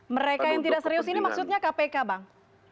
mereka yang tidak serius ini maksudnya kpk bang